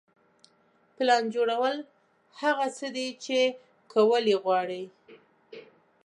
پلان جوړول هغه څه دي چې کول یې غواړئ.